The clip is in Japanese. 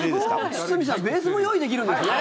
堤さんベースも用意できるんですね。